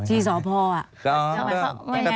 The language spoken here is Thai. ที่สพอเนี่ย